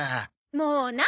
もう何？